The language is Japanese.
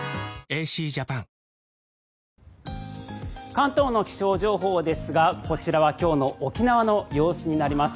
関東の気象情報ですがこちらは今日の沖縄の様子になります。